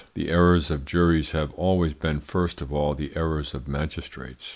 The errors of juries have always been first of all the errors of magistrates.